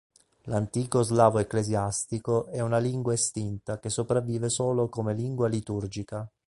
L'antico slavo ecclesiastico è una lingua estinta che sopravvive solo come lingua liturgica.